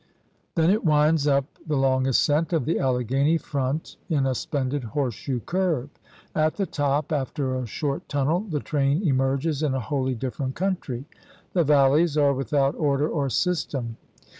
Then it winds up the long ascgnt of the Alleghany front in a splendid horseshoe curve. At the top, after a short tunnel, the train emerges in a wholly different country. The valleys are without order or system.